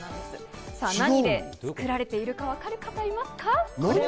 何で作られているか、わかる方いますか？